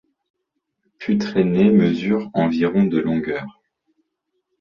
Putrainez mesure environ de longueur.